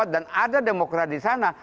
dan ada demokrat di sana